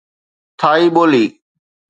ٿائي ٻولي